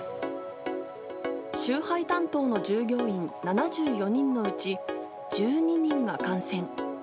集配担当の従業員７４人のうち、１２人が感染。